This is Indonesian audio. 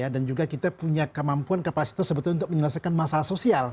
dan juga kita punya kemampuan kapasitas sebetulnya untuk menyelesaikan masalah sosial